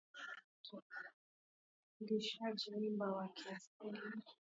Utungishaji mimba wa kiasili